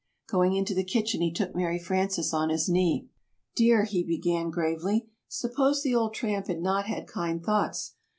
Going into the kitchen, he took Mary Frances on his knee. "Dear," he began gravely, "suppose the old tramp had not had kind thoughts.